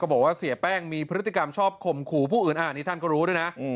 บอกว่าเสียแป้งมีพฤติกรรมชอบข่มขู่ผู้อื่นอันนี้ท่านก็รู้ด้วยนะ